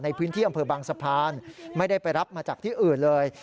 ในพื้นที่อำเภอบางสะพานไม่ได้ไปรับมาจากที่อื่นเลย